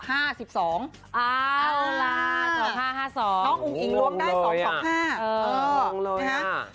อ้าววละ๒๒๕๒๒๒น้องหุงอิงล้วงได้๒๒๕